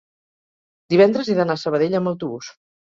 divendres he d'anar a Sabadell amb autobús.